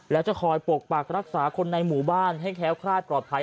และจะคอยปกปักรักษาคนในหมู่บ้านให้แค้วคลาดปลอดภัย